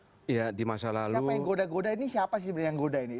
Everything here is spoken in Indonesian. apa yang goda goda ini siapa sih yang goda ini